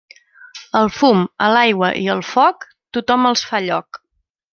Al fum, a l'aigua i al foc, tothom els fa lloc.